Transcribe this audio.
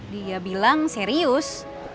dia bilang serius